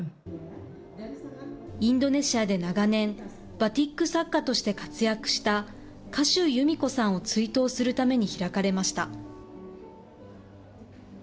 インドネシアで長年、バティック作家として活躍した賀集由美子さんを追悼するために開かれました。